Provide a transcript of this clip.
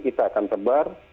kita akan tebar